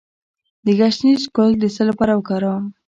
د ګشنیز ګل د څه لپاره وکاروم؟